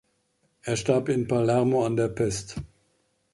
Er starb in Palermo an der Pest.